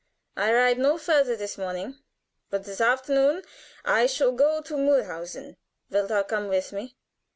"I ride no further this morning; but this afternoon I shall go to Mulhausen. Wilt thou come with me?"